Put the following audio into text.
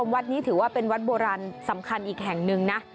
วัดนี้ถือว่าเป็นวัดโบราณสำคัญอีกแห่งหนึ่งนะ